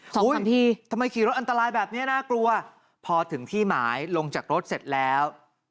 ทันทีทำไมขี่รถอันตรายแบบนี้น่ากลัวพอถึงที่หมายลงจากรถเสร็จแล้ว